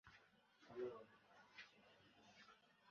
তা দেখে দু'জন লোক থামে।